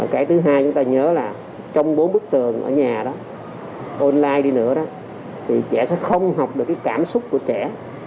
cái thứ hai chúng ta nhớ là trong bốn bức tường ở nhà đó online đi nữa đó thì trẻ sẽ không học được cái cảm xúc của trẻ